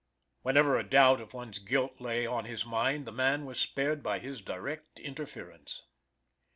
Whenever a doubt of one's guilt lay on his mind, the man was spared by his direct interference..